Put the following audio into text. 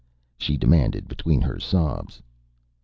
she demanded between her sobs.